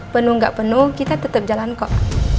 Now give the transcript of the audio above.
penuh nggak penuh kita tetap jalan kok